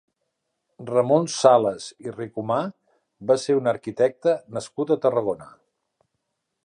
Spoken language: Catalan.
Ramon Salas i Ricomá va ser un arquitecte nascut a Tarragona.